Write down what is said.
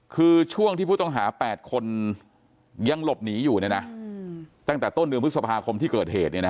คือช่วงที่ผู้ต้องหา๘คนยังหลบหนีอยู่ตั้งแต่ต้นเดือนพฤษภาคมที่เกิดเหตุ